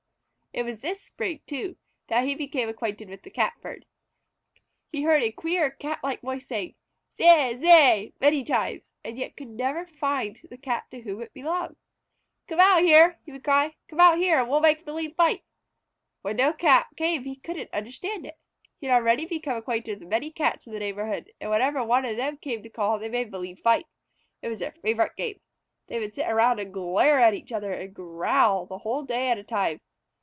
It was this spring, too, that he became acquainted with the Catbird. He heard a queer Cat like voice saying "Zeay! Zeay!" many times, and yet could never find the Cat to whom it belonged. "Come out here!" he would cry. "Come out here, and we will make believe fight!" When no Cat came he couldn't understand it. He had already become acquainted with many Cats in the neighborhood, and whenever one came to call they made believe fight. It was their favorite game. They would sit around and glare at each other and growl a whole day at a time.